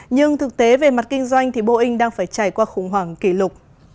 nhưng thực tế về mặt kinh doanh thì boeing đang phải trải qua khủng hoảng kỷ lục